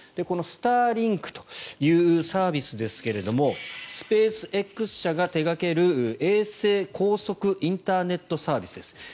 このスターリンクというサービスですがスペースＸ社が手掛ける衛星高速インターネットサービスです。